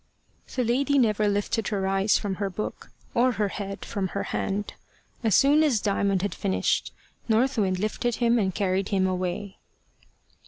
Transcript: The lady never lifted her eyes from her book, or her head from her hand. As soon as Diamond had finished, North Wind lifted him and carried him away.